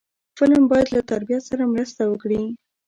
فلم باید له تربیت سره مرسته وکړي